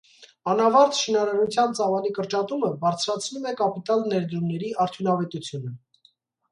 Անավարտ շինարարթույան ծավալի կրճատումը բարձրացնում է կապիտալ ներդրումների արդյունավետությունը։